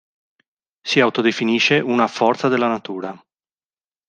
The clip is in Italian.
Si autodefinisce una "Forza della natura".